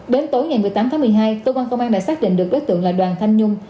đến tối ngày một mươi tám tháng một mươi hai cơ quan công an đã xác định được đối tượng là đoàn thanh nhung